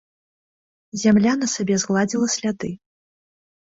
Зямля на сабе згладзіла сляды.